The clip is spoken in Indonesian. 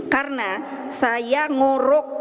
karena saya ngorok sebuah perang yang tidak terhadap saya